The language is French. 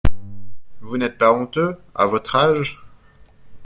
Vous n’êtes pas honteux… à votre âge !